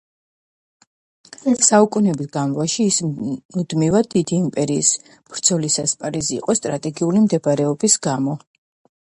საუკუნეთა განმავლობაში ის მუდმივად დიდი იმპერიების ბრძოლის ასპარეზი იყო სტრატეგიული მდებარეობის გამო.